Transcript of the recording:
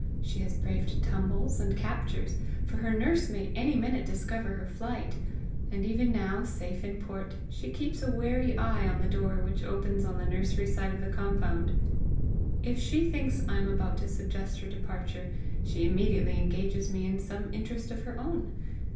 She has braved tumbles and captures, for her nurse may any minute discover her flight; and even now, safe in port, she keeps a wary eye on the door which opens on the nursery side of the compound. If she thinks I am about to suggest her departure, she immediately engages me in some interest of her own.